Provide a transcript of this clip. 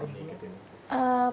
berapa dikit ini